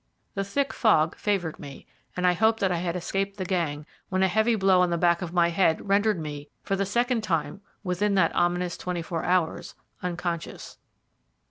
The thick fog favoured me, and I hoped that I had escaped the gang, when a heavy blow on the back of my head rendered me, for the second time within that ominous twenty four hours, unconscious.